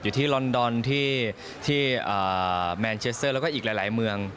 ที่ลอนดอนที่แมนเชสเซอร์แล้วก็อีกหลายเมือง